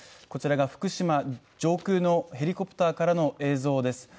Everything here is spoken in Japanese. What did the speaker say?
こちらが福島、上空のヘリコプターからの映像です。